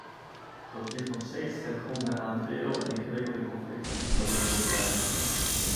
Dat ligt nog steeds ten gronde aan veel en ingewikkelde conflicten in dat wereldrijk.